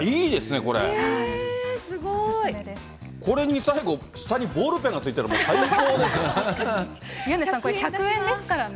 これで最後下にボールペンが付いてたら最高ですね。